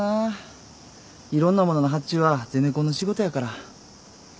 いろんなものの発注はゼネコンの仕事やから。